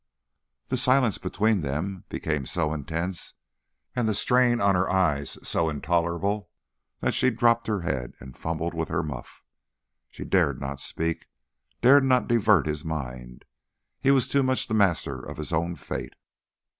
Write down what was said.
The silence between them became so intense and the strain on her eyes so intolerable that she dropped her head and fumbled with her muff. She dared not speak, dared not divert his mind. He was too much the master of his own fate.